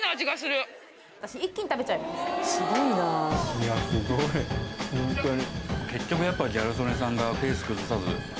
いやすごいホントに。